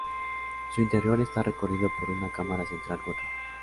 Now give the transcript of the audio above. Su interior está recorrido por una cámara central hueca.